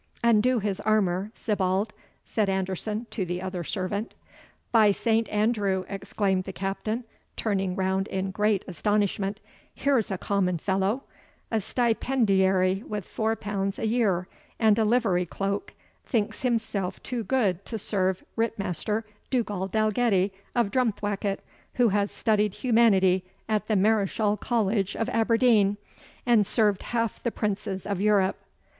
"Undo his armour, Sibbald," said Anderson to the other servant. "By St. Andrew!" exclaimed the Captain, turning round in great astonishment, "here's a common fellow a stipendiary with four pounds a year and a livery cloak, thinks himself too good to serve Ritt master Dugald Dalgetty of Drumthwacket, who has studied humanity at the Mareschal College of Aberdeen, and served half the princes of Europe!"